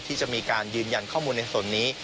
ที่จะมีการยืนยันข้อมูลในส่วนนี้